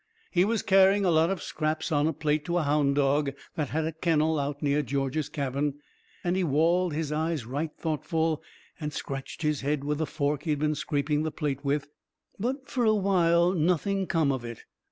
He was carrying a lot of scraps on a plate to a hound dog that had a kennel out near George's cabin, and he walled his eyes right thoughtful, and scratched his head with the fork he had been scraping the plate with, but fur a while nothing come of it.